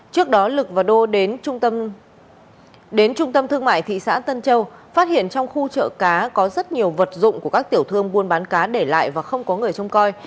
trước đó lực và đô đến trung tâm đến trung tâm thương mại thị xã tân châu phát hiện trong khu chợ cá có rất nhiều vật dụng của các tiểu thương buôn bán cá để lại và không có người trông coi